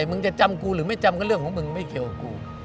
มึงจะจำกูหรือไม่จำก็เรื่องของมึงไม่เกี่ยวกับกู